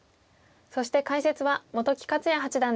そして解説は本木克弥八段です。